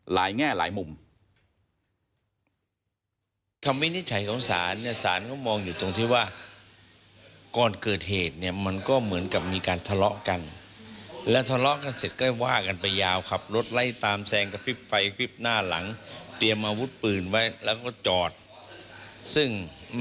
หลายแง่หลายมุม